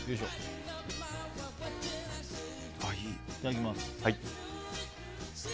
いただきます。